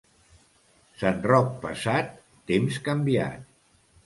Sant Roc passat, temps canviat.